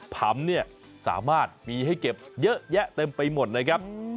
ผำเนี่ยสามารถมีให้เก็บเยอะแยะเต็มไปหมดเลยครับ